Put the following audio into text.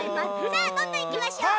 さあどんどんいきましょう。